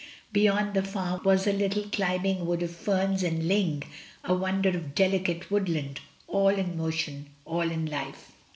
Beyond the farm was a little climbing wood of ferns and ling — a wonder of delicate woodland — all in motion, all in life.